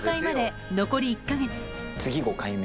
次５回目。